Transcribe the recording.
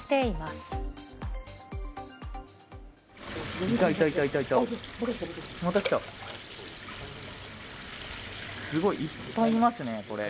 すごい、いっぱいいますね、これ。